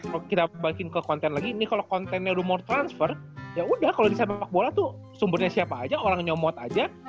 kalo kita balikin ke konten lagi ini kalo kontennya rumor transfer ya udah kalo disampak bola tuh sumbernya siapa aja orang nyomot aja